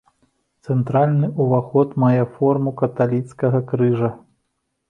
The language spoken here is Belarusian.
Цэнтральны ўваход мае форму каталіцкага крыжа.